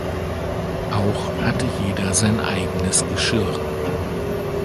Auch hatte jeder sein eigenes Geschirr.